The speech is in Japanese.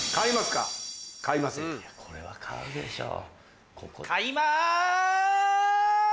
いやこれは買うでしょ。